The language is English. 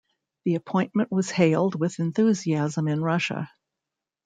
The appointment was hailed with enthusiasm in Russia.